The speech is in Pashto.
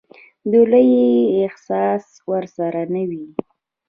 د لويي احساس ورسره نه وي.